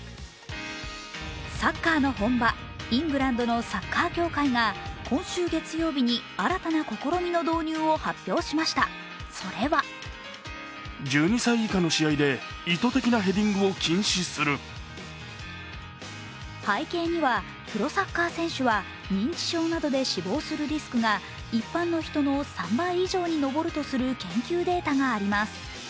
サッカーの本場・イングランドのサッカー協会が今週月曜日に新たな試みの導入を発表しました、それは背景はプロサッカー選手は認知症などで死亡するリスクが一般の人の３倍以上に上るとする研究データがあります。